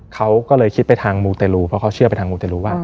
เขาก็เลยคิดไปทางมูเตรลูเพราะเขาเชื่อไปทางมูเตรลูว่า